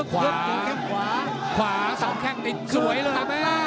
ขวา๒แค่งสวยเลยครับ